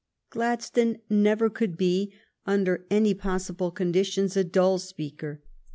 Gladstone never could be, under any possible conditions, a dull speaker.